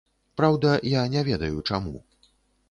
Праўда, я не ведаю, чаму!